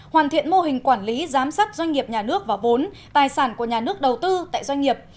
hoàn thiện mô hình quản lý giám sát doanh nghiệp nhà nước và vốn tài sản của nhà nước đầu tư tại doanh nghiệp